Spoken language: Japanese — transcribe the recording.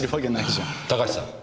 高橋さん。